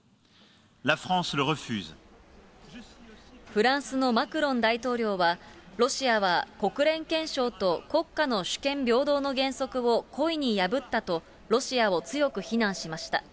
フランスのマクロン大統領は、ロシアは国連憲章と国家の主権平等の原則を故意に破ったと、ロシアを強く非難しました。